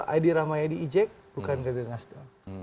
edi rahmayadi ijek bukan kader nasdem